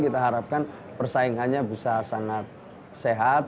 kita harapkan persaingannya bisa sangat sehat